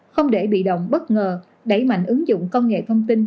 không để bị động bất ngờ đẩy mạnh ứng dụng công nghệ thông tin